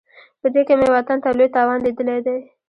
په دې کې مې وطن ته لوی تاوان لیدلی دی.